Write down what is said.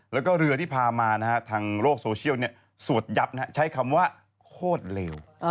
แล้วก็เรือที่พามาทางโลกโซเชียลสวดยับใช้คำว่าโคตรเลว